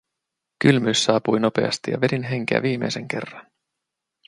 Kylmyys saapui nopeasti ja vedin henkeä viimeisen kerran.